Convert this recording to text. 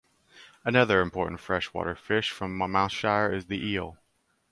Another important freshwater fish from Monmouthshire is the eel.